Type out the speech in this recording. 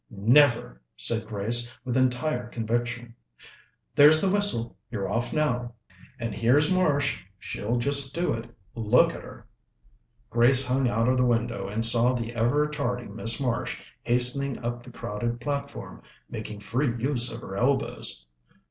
"Never!" said Grace with entire conviction. "There's the whistle you're off now." "And here's Marsh she'll just do it. Look at her!" Grace hung out of the window, and saw the ever tardy Miss Marsh hastening up the crowded platform, making free use of her elbows.